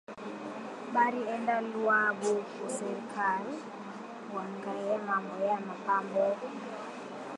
Bari enda lwabo ku serkali ku angariya mambo ya ma mpango